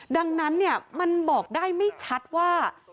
ดังนั้นมันบอกได้ไม่ชัดว่า